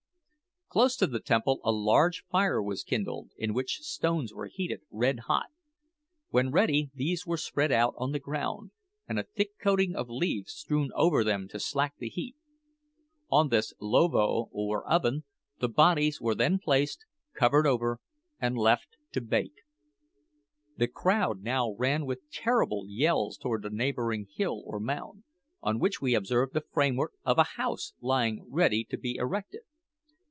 Close to the temple a large fire was kindled, in which stones were heated red hot. When ready these were spread out on the ground, and a thick coating of leaves strewn over them to slack the heat. On this "lovo," or oven, the bodies were then placed, covered over, and left to bake. The crowd now ran with terrible yells towards a neighbouring hill or mound, on which we observed the framework of a house lying ready to be erected.